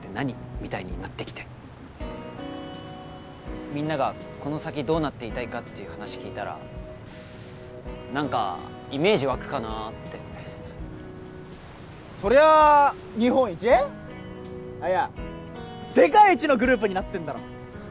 みたいになってきてみんながこの先どうなっていたいかっていう話聞いたら何かイメージ湧くかなってそりゃあ日本一いや世界一のグループになってんだろ